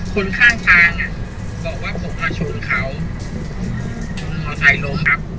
คนข้างทางอ่ะบอกว่าผมมาชวนเขามอเตอร์ไทยลงครับ